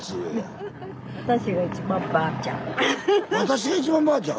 「私が一番ばあちゃん」？